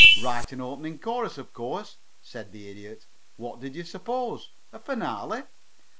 "Write an opening chorus, of course," said the Idiot. "What did you suppose? A finale?